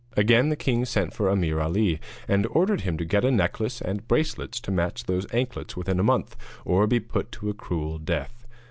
Again the king sent for Ameer Ali, and ordered him to get a necklace and bracelets to match those anklets within a month, or be put to a cruel death.